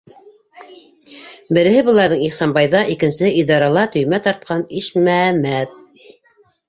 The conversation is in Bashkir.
Береһе быларҙың Ихсанбай ҙа, икенсеһе - идарала төймә тартҡан Ишмәмәт.